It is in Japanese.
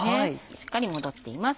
しっかり戻っています